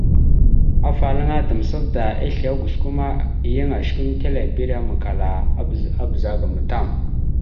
Afalaŋa Damsavda islé gosko ma yan osəkʉmətelebere makala a bəzagaam tam.